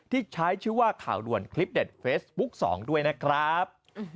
ที่ใช้ชื่อว่าข่าวด่วนคลิปเด็ดเฟซบุ๊ค๒ด้วยนะครับ